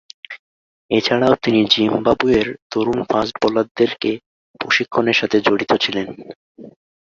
এছাড়াও তিনি জিম্বাবুয়ের তরুণ ফাস্ট বোলারদেরকে প্রশিক্ষণের সাথে জড়িত ছিলেন।